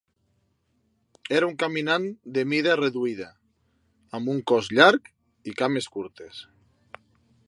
Era un caminant de mida reduïda, amb un cos llarg i cames curtes.